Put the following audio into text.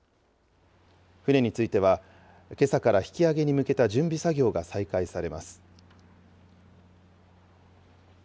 船については、けさから引き揚げに向けた準備作業が再開されます。